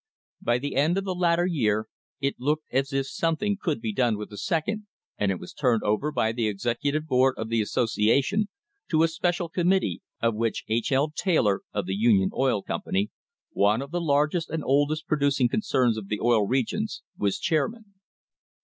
By the end of the latter year it looked as if some thing could be done with the second, and it was turned over by the executive board of the association to a special com mittee, of which H. L. Taylor, of the Union Oil Company, one of the largest and oldest producing concerns of the Oil Regions, was chairman.